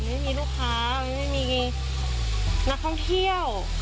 ไม่มีลูกค้าไม่มีนักท่องเที่ยว